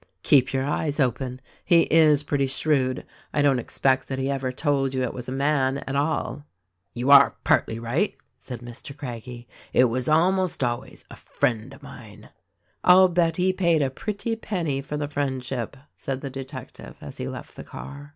"Keep your eyes open. He is pretty shrewd. I don't expect that he ever told you it was a man at all." "You are partly right," said Mr. Craggie, "it was almost always 'A friend of mine.' " "I'll bet he paid a pretty penny for the friendship," said the detective as he left the car."